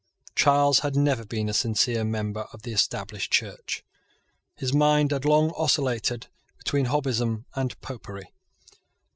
Charles had never been a sincere member of the Established Church. His mind had long oscillated between Hobbism and Popery.